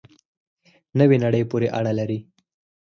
نوې نړۍ پورې اړه لري.